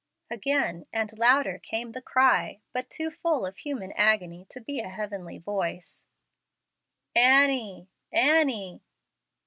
Again and louder came the cry, but too full of human agony to be a heavenly voice "Annie! Annie!"